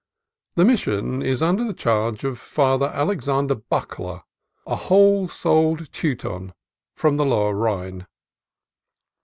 The Mission is under the charge of Father Alexander Buckler, a whole souled Teuton from the Lower Rhine.